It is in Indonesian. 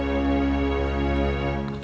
aku mau makan